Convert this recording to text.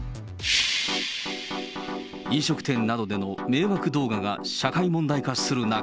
飲食店などでの迷惑動画が社会問題化する中。